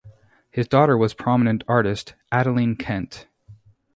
His daughter was prominent artist, Adaline Kent.